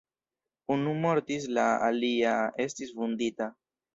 Unu mortis, la alia estis vundita.